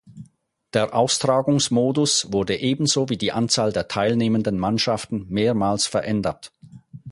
Der Austragungsmodus wurde ebenso wie die Anzahl der teilnehmenden Mannschaften mehrmals verändert.